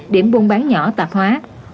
điểm buôn bán nhỏ tạp hóa